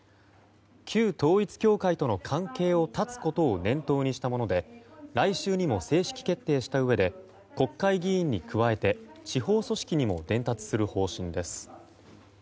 旧統一教会との関係を断つことを念頭にしたもので来週にも正式決定したうえで国会議員に加えて地方組織にも伝達する方針です。